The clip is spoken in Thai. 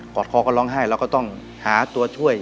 อดคอก็ร้องไห้เราก็ต้องหาตัวช่วย